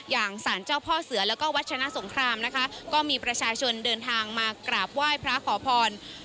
อย่างสารเจ้าพ่อเสือแล้วก็วัชนะสงครามนะคะก็มีประชาชนเดินทางมากราบไหว้พระขอพร